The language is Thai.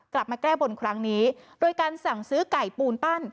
กลับมาแก้บนครั้งนี้โดยการสั่งซื้อไก่ปูนปั้น